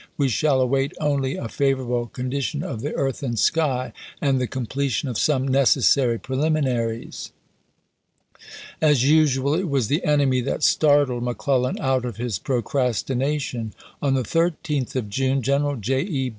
We shall await only a favor able condition of the earth and sky, and the completion of some necessary preHminaries. As usual, it was the enemy that startled Mc Clellan out of his procrastination. On the 13th of June, General J. E.